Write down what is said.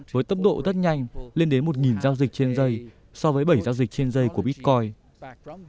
với tốc độ rất nhanh lên đến một giao dịch trên giây so với bảy giao dịch trên giây của bitcoin